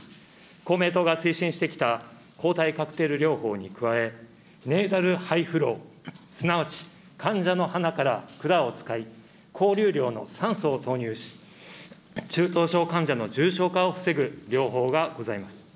公明党が推進してきた抗体カクテル療法に加え、ネーザルハイフロー、すなわち患者の鼻から管を使い、高流量の酸素を投入し、中等症患者の重症化を防ぐ療法がございます。